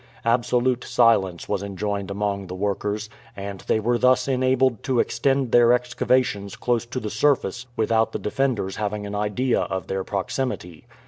Absolute silence was enjoined among the workers, and they were thus enabled to extend their excavations close to the surface without the defenders having an idea of their proximity.